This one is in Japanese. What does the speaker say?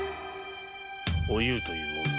お夕という女。